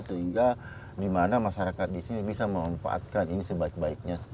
sehingga di mana masyarakat di sini bisa memanfaatkan ini sebaik baiknya